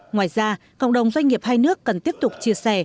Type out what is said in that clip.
ngoài ra cộng đồng doanh nghiệp hai nước cần tiếp tục chia sẻ